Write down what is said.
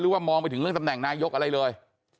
มองไปถึงเรื่องตำแหน่งนายกอะไรเลย